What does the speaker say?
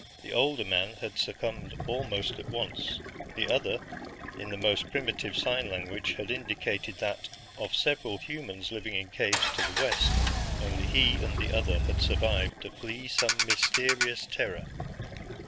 The older man had succumbed almost at once; the other, in the most primitive sign language, had indicated that, of several humans living in caves to the west, only he and the other had survived to flee some mysterious terror.